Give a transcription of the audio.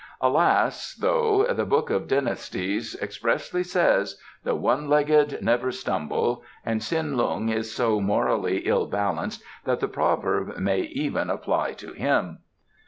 "Alas, though, the Book of Dynasties expressly says, 'The one legged never stumble,' and Tsin Lung is so morally ill balanced that the proverb may even apply to him."